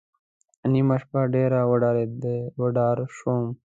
نیمه شپه ډېر وډار شوم.